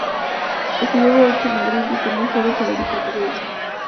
Estudió Derecho en Madrid y desde muy joven se dedicó al periodismo.